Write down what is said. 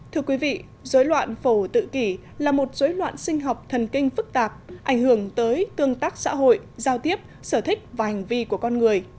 thưa quý vị dối loạn phổ tự kỷ là một dối loạn sinh học thần kinh phức tạp ảnh hưởng tới tương tác xã hội giao tiếp sở thích và hành vi của con người